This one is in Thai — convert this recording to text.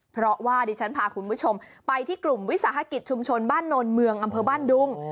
เพราะว่าดิฉันพาคุณผู้ชมไปที่กลุ่มวิสาหกิจชุมชนบ้านโนนเมืองอำเภอบ้านดุง